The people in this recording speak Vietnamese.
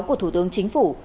của thủ tướng chính phủ